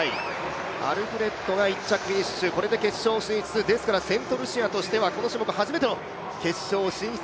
アルフレッドが１着フィニッシュ、これで決勝進出、ですからセントルシアとしてはこの種目初めての決勝進出。